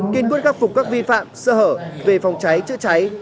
kiên quyết khắc phục các vi phạm sơ hở về phòng cháy chữa cháy